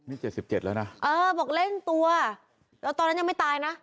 มีเจ็ดสิบเจ็ดแล้วน่ะเออบอกเล่นตัวแล้วตอนนั้นยังไม่ตายน่ะ